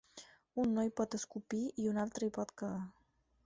Un no hi pot escopir i un altre hi pot cagar.